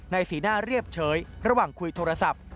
สีหน้าเรียบเฉยระหว่างคุยโทรศัพท์